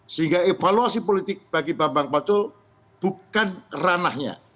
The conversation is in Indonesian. sehingga evaluasi politik bagi bambang pacul bukan ranahnya